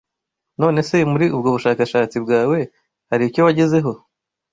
None se muri ubwo bushakashatsi bwawe, hari icyo wagezeho?